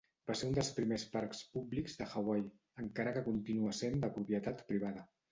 Va ser un dels primers parcs públics de Hawaii, encara que continua sent de propietat privada.